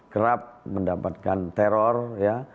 kerap mendapatkan teror ya